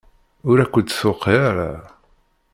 Ur ak-d-tuqiɛ ara?